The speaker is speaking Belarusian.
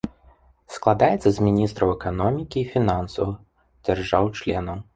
Складаецца з міністраў эканомікі і фінансаў дзяржаў-членаў.